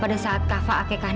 pada saat kafa akek kata